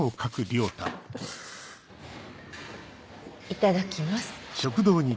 いただきます。